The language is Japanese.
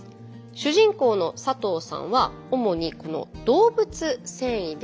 主人公の佐藤さんは主にこの動物繊維で糸を作っています。